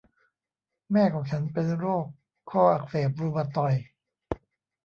แม่ของฉันเป็นโรคข้ออักเสบรุมาตอยด์